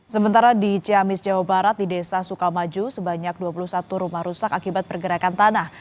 sementara di ciamis jawa barat di desa sukamaju sebanyak dua puluh satu rumah rusak akibat pergerakan tanah